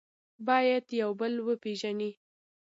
باید یو بل وپېژنئ.